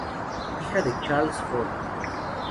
Hija de Charles Forte.